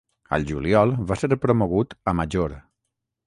Al juliol va ser promogut a Major.